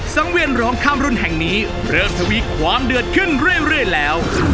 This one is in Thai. สังเวียนร้องข้ามรุ่นแห่งนี้เริ่มทวีความเดือดขึ้นเรื่อยแล้ว